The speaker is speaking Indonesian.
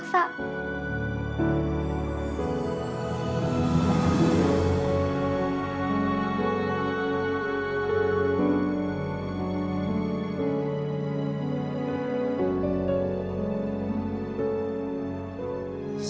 kau pernah gekol ngesil diidong aku teman vesdid merciful ens